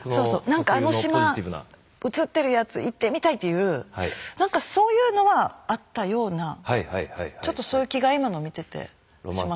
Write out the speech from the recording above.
なんかあの島映ってるやつ行ってみたいという何かそういうのはあったようなちょっとそういう気が今の見ててしました。